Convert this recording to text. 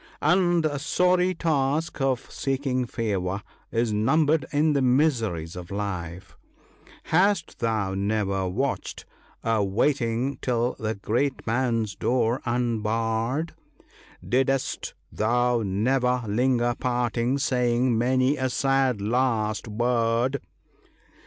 " And the sorry task of seeking favour is numbered in the miseries of life —" Hast thou never watched, a waiting till the great man's door unbarred ? Didst thou never linger parting, saying many a sad last word